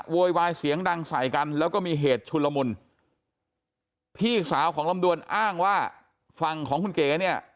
โวยวายเสียงดังใส่กันแล้วก็มีเหตุชุลมุนพี่สาวของลำดวนอ้างว่าฝั่งของคุณเก๋เนี่ย